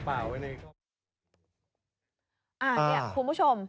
หาว่าผมลุกป่าไม่เป็นไร